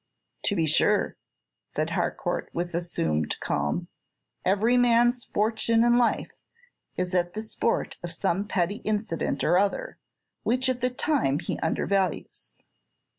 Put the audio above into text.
"To be sure," said Harcourt, with assumed calm, "every man's fortune in life is at the sport of some petty incident or other, which at the time he undervalues."